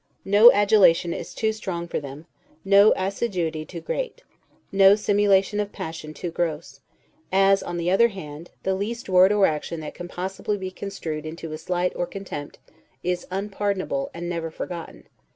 No adulation is too strong for them; no assiduity too great; no simulation of passion too gross; as, on the other hand, the least word or action that can possibly be construed into a slight or contempt, is unpardonable, and never forgotten.